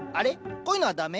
こういうのは駄目？